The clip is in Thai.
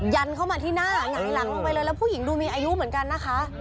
ันเข้ามาที่หน้าหงายหลังลงไปเลยแล้วผู้หญิงดูมีอายุเหมือนกันนะคะ